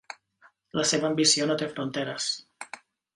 La seva ambició no té fronteres.